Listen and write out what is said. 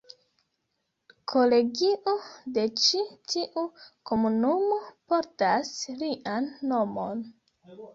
Kolegio de ĉi tiu komunumo portas lian nomon.